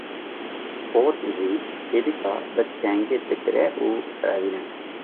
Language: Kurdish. Xort jî hêdika bi çengê digre û direvîne.